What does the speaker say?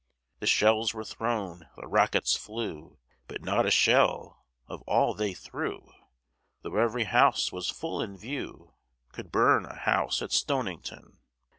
The shells were thrown, the rockets flew, But not a shell, of all they threw, Though every house was full in view, Could burn a house at Stonington.